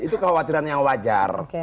itu kekhawatiran yang wajar